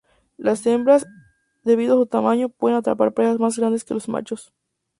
Las hembras, debido a su tamaño, pueden atrapar presas más grandes que los machos.